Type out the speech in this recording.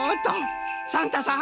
サンタさん